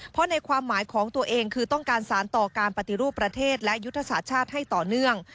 เพราะในความหมายของตัวเองคือต้องการสารต่อการปฏิรูปประเทศและยุทธศาสตร์ชาติให้ต่อเนื่อง